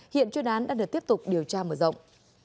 hiện chuyên án đã được tiếp tục điều tra mở rộng